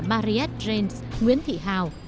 mariette james nguyễn thị hào